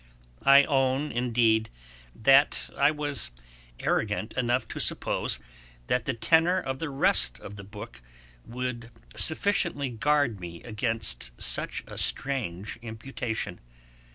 I own, indeed, that I was arrogant enough to suppose that the tenour of the rest of the book would sufficiently guard me against such a strange imputation.